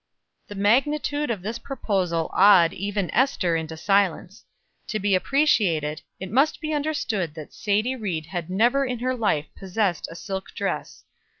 The magnitude of this proposal awed even Ester into silence. To be appreciated, it must be understood that Sadie Ried had never in her life possessed a silk dress.